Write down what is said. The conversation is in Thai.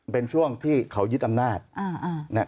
เป็นช่วงที่เขายึดอำนาจอ่าอ่า